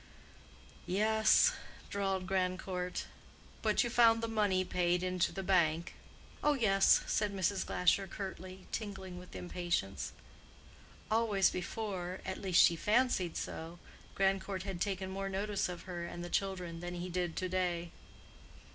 "Yes," drawled Grandcourt. "But you found the money paid into the bank." "Oh, yes," said Mrs. Glasher, curtly, tingling with impatience. Always before—at least she fancied so—Grandcourt had taken more notice of her and the children than he did to day.